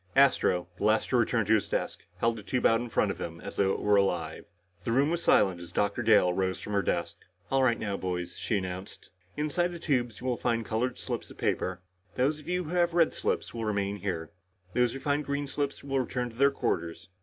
Astro, the last to return to his desk, held the tube out in front of him as if it were alive. The room was silent as Dr. Dale rose from her desk. "All right now, boys," she announced. "Inside the tubes you will find colored slips of paper. Those of you who have red slips will remain here. Those who find green slips will return to their quarters.